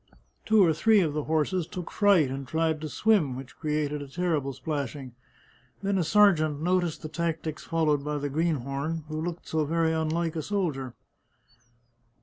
Two or three of the horses took fright and tried to swim, which created a ter rible splashing. Then a sergeant noticed the tactics followed by the greenhorn, who looked so very unlike a soldier.